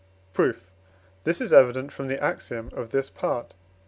Proof. This is evident from the axiom of this part.